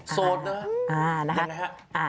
โสดนะคะ